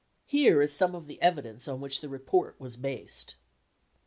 Here is some of the evidence on which the report was based.